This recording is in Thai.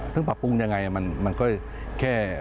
ถึงปรับปรุงอย่างไรมันก็แค่